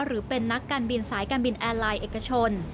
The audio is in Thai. หรือเป็นนักการบินสายการบินแอร์ไลน์เอกชน